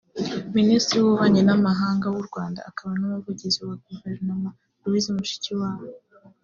Minisitiri w’ububanyi n’ amahanga w’u Rwanda akaba n’umuvugizi wa guverinoma Louise Mushikiwabo